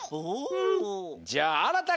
じゃああらたくん。